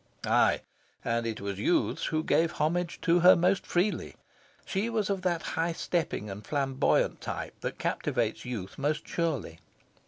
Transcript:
Aye, and it was youths who gave homage to her most freely. She was of that high stepping and flamboyant type that captivates youth most surely.